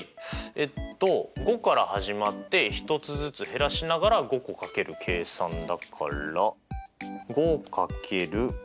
えっと５から始まって１つずつ減らしながら５個掛ける計算だから正解です！